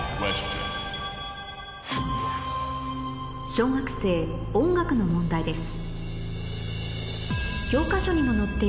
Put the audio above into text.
小学生音楽の問題です